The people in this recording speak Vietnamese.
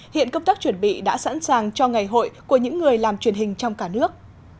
hiện công tác chuẩn bị đã sẵn sàng cho ngày hội của những người làm truyền hình trong cả nước